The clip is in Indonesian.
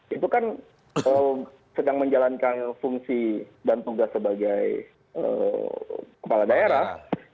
itu kan sedang menjalankan fungsi dan tugas sebagai kepala daerah